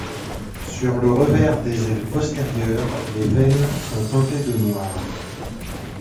Sur le revers des ailes postérieures les veines sont teintées de noir.